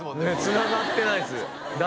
つながってないです誰